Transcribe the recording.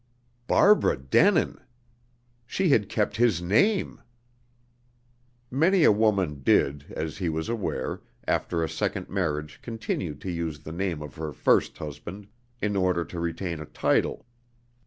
"Barbara Denin." ... She had kept his name! Many a woman did (he was aware) after a second marriage continue to use the name of her first husband, in order to retain a title.